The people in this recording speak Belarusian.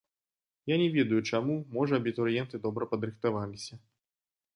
Я не ведаю, чаму, можа, абітурыенты добра падрыхтаваліся.